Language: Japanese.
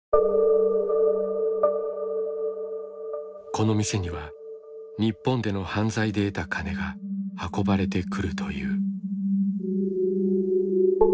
この店には日本での犯罪で得たカネが運ばれてくるという。